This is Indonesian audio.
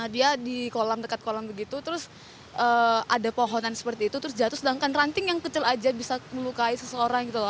dia di kolam dekat kolam begitu terus ada pohonan seperti itu terus jatuh sedangkan ranting yang kecil aja bisa melukai seseorang gitu loh